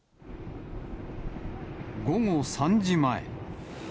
午後３時前。